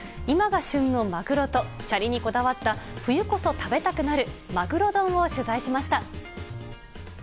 今が旬のマグロと、シャリにこだわった冬こそ食べたくなるマグロ丼を取材しました。